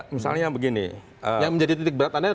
misalnya yang begini yang menjadi titik beratannya